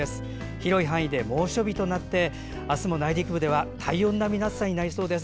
広い範囲で猛暑日となって明日も内陸部では体温並みの暑さとなりそうです。